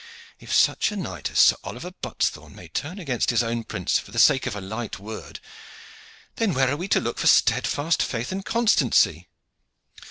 If such a knight as Sir Oliver Buttesthorn may turn against his own prince for the sake of a light word, then where are we to look for steadfast faith and constancy?"